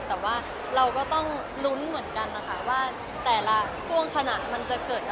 แต่ว่าเราก็ต้องลุ้นเหมือนกันนะคะว่าแต่ละช่วงขณะมันจะเกิดอะไร